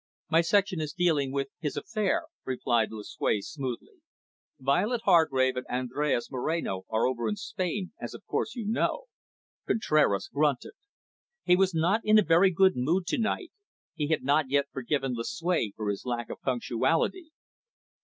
"My section is dealing with his affair," replied Lucue smoothly. "Violet Hargrave and Andres Moreno are over in Spain, as of course you know." Contraras grunted. He was not in a very good mood to night; he had not yet forgiven Lucue for his lack of punctuality.